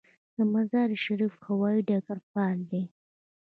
د مزار شریف هوايي ډګر فعال دی